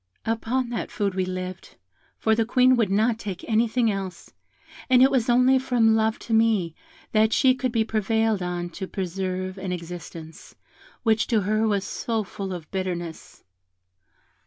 Upon that food we lived, for the Queen would not take anything else, and it was only from love to me that she could be prevailed on to preserve an existence, which to her was so full of bitterness.